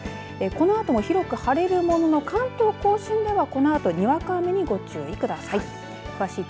このあとも広く晴れるものの関東甲信ではこのあとにわか雨にご注意ください。